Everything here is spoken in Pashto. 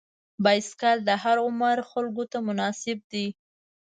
بایسکل د هر عمر خلکو ته مناسب دی.